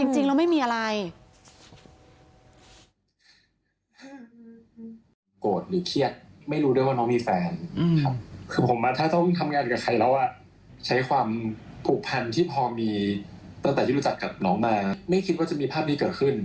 จริงแล้วไม่มีอะไร